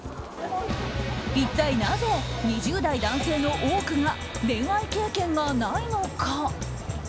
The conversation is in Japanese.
一体なぜ２０代男性の多くが恋愛経験がないのか。